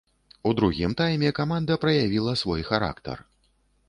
У другім тайме каманда праявіла свой характар.